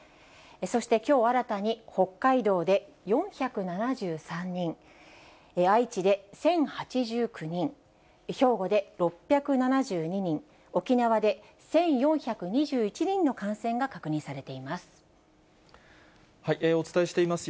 そしてきょう新たに北海道で４７３人、愛知で１０８９人、兵庫で６７２人、沖縄で１４２１人の感染が確認されています。